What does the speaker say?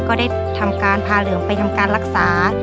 ก็ได้ทำการพาเหลืองไปทำการรักษา